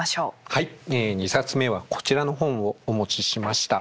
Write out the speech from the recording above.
はい２冊目はこちらの本をお持ちしました。